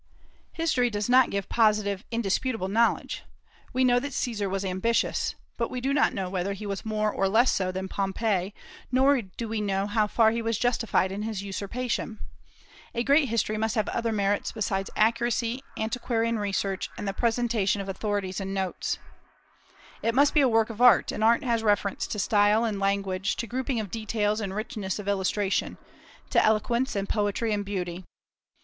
History does not give positive, indisputable knowledge. We know that Caesar was ambitious; but we do not know whether he was more or less so than Pompey, nor do we know how far he was justified in his usurpation. A great history must have other merits besides accuracy, antiquarian research, and presentation of authorities and notes. It must be a work of art; and art has reference to style and language, to grouping of details and richness of illustration, to eloquence and poetry and beauty.